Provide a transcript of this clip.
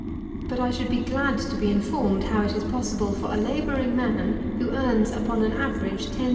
But I should be glad to be informed, how it is possible for a labouring man, who earns, upon an average, 10_s.